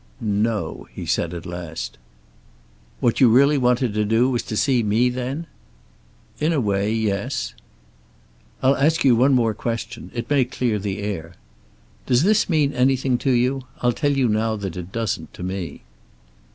"No" he said at last. "What you really wanted to do was to see me, then?" "In a way, yes." "I'll ask you one more question. It may clear the air. Does this mean anything to you? I'll tell you now that it doesn't, to me."